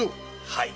はい！